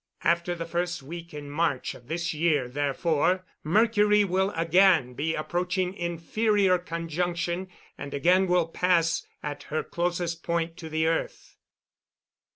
After the first week in March of this year therefore Mercury will again be approaching inferior conjunction, and again will pass at her closest point to the earth.